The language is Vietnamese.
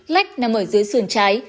lách nằm ở dưới sườn trái